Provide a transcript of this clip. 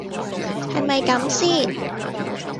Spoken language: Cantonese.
係咪咁先